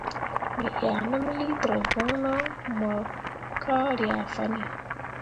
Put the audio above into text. Me ʼyah nəm liiter voŋno mok ka ryah fanne.